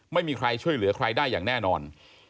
ไม่มีใครช่วยเหลือใครได้อย่างแน่นอน